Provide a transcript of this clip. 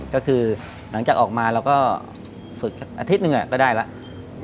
ก็คือหลังจากออกมาเราก็ฝึกอาทิตย์หนึ่งก็ได้แล้ว